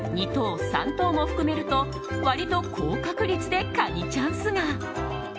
２等、３等も含めると割と高確率でカニチャンスが。